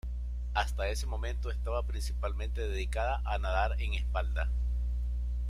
Hasta ese momento estaba principalmente dedicada a nadar en espalda.